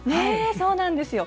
そうなんですよ。